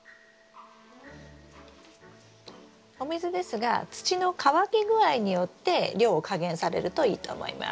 お水ですが土の乾き具合によって量を加減されるといいと思います。